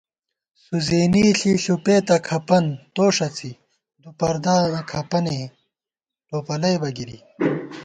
سُزېنی ݪی ݪُپېتہ کھپن ، توݭڅی ✿ دُو پردانہ کَھپَنے ، ٹوپَلَئیبہ گِری